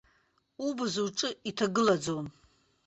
Убз уҿы иҭагылаӡом.